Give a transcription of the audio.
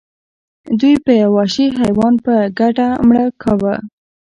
دوی به یو وحشي حیوان په ګډه مړه کاوه.